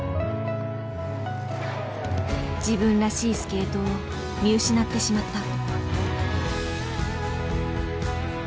自分らしいスケートを見失ってしまった。